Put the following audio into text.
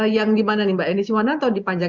yang di mana nih mbak di cuanan atau di panjang